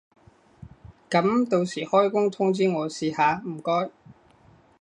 噉到時開工通知我試下唔該